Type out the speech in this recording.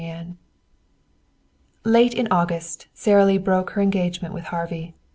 XXVIII Late in August Sara Lee broke her engagement with Harvey.